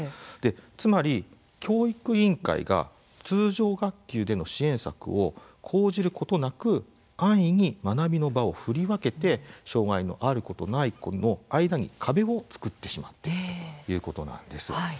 つまり教育委員会が通常学級での支援策を講じることなく安易に学びの場を振り分けて障害のある子とない子の間に壁を作ってしまっているということなんです。